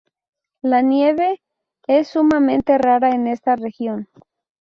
La nieve es sumamente rara en esta región.